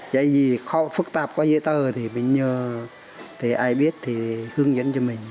vì khó phức tạp qua giấy tờ thì mình nhờ thì ai biết thì hướng dẫn cho mình